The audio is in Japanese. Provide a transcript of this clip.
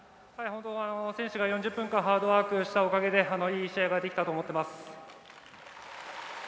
選手が４０分間ハードワークしたおかげでいい試合ができたと思ってます。